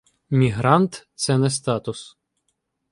«Мігрант» — це не статус